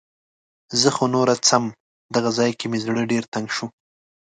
زه خو نوره څم. دغه ځای کې مې زړه ډېر تنګ شو.